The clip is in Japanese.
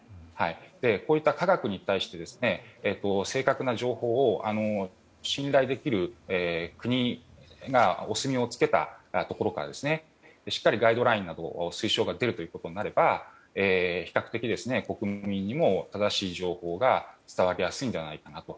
こういった科学に対して正確な情報を信頼できる国がお墨をつけたところからしっかりガイドラインなど推奨が出ることになれば比較的、国民にも正しい情報が伝わりやすいのではないかと。